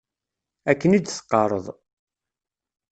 Akken i d-teqqareḍ.